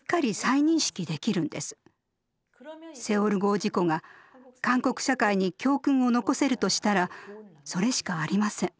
セウォル号事故が韓国社会に教訓を残せるとしたらそれしかありません。